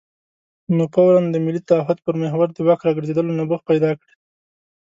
نو فوراً د ملي تعهد پر محور د واک راګرځېدلو نبوغ پیدا کړي.